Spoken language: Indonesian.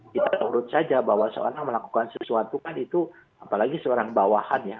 kita urut saja bahwa seorang melakukan sesuatu kan itu apalagi seorang bawahan ya